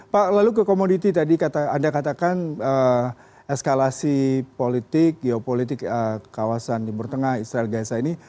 pak lalu ke komoditi tadi anda katakan eskalasi politik geopolitik kawasan timur tengah israel gaza ini